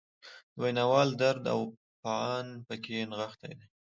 د ویناوال درد او فعان پکې نغښتی دی.